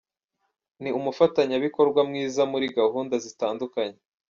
Ni umufatayabikorwa mwiza muri gahunda zitandukanye.